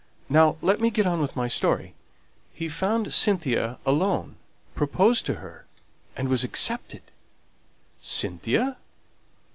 Now let me get on with my story: he found Cynthia alone, proposed to her, and was accepted." "Cynthia?